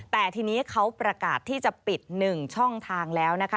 แต่ทีนี้เขาประกาศที่จะปิด๑ช่องทางแล้วนะคะ